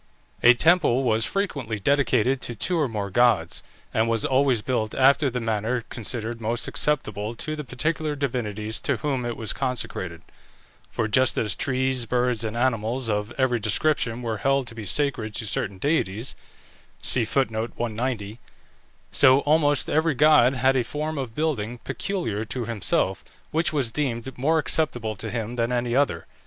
A temple was frequently dedicated to two or more gods, and was always built after the manner considered most acceptable to the particular divinities to whom it was consecrated; for just as trees, birds, and animals of every description were held to be sacred to certain deities, so almost every god had a form of building peculiar to himself, which was deemed more acceptable to him than any other.